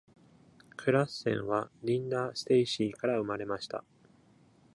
クラッセンはリンダ・ステイシーから生まれました。